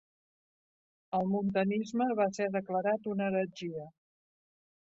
El montanisme va ser declarat una heretgia.